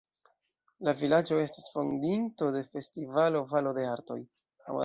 La vilaĝo estas fondinto de festivalo Valo de Artoj.